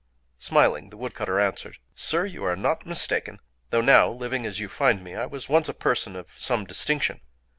Smiling, the woodcutter answered:— "Sir, you are not mistaken. Though now living as you find me, I was once a person of some distinction.